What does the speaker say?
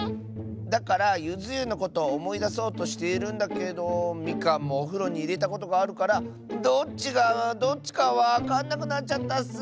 だからゆずゆのことをおもいだそうとしているんだけどみかんもおふろにいれたことがあるからどっちがどっちかわかんなくなっちゃったッス。